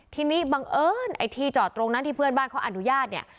ทีนี้บังเอิญไอ้ที่จอดตรงนั้นที่เพื่อนบ้านเขาอนุญาตเนี่ย